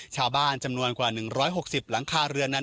จำนวนกว่า๑๖๐หลังคาเรือนนั้น